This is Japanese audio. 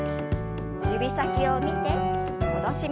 指先を見て戻します。